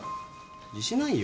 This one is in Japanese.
自信ないよ。